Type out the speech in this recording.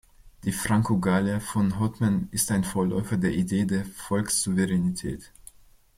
Die Franco-Gallia von Hotman ist ein Vorläufer der Idee der Volkssouveränität.